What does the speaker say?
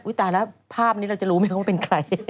อุ๊ยตายแล้วภาพนี้เราจะรู้มั้ยเขาเป็นใคร